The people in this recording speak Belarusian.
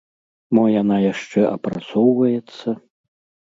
Мо яна яшчэ апрацоўваецца?